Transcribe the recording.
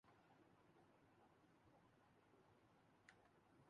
محنت کرتا ہوں